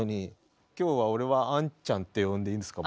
今日は俺は杏ちゃんって呼んでいいんですか？